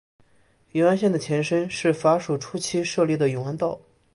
永安省的前身是法属初期设立的永安道。